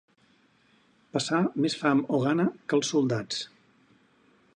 Passar més fam o gana que els soldats.